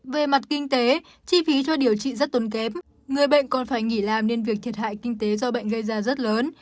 về mặt kinh tế chi phí cho điều trị rất tốn kém người bệnh còn phải nghỉ làm nên việc thiệt hại kinh tế do bệnh gây ra rất lớn